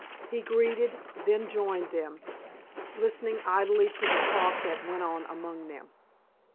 He greeted, then joined them, listening idly to the talk that went on among them.